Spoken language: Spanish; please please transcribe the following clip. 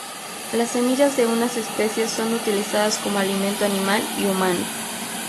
Las semillas de unas especies son utilizadas como alimento animal y humano.